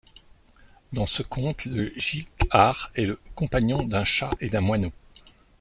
Dans ce conte, le jikhar' est le compagnon d'un chat et d'un moineau.